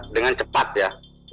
dengan cepat ya